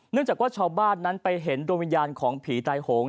เนื่องจากว่าชาวบ้านไปเห็นโดยวิญญาณของผีไตยโหง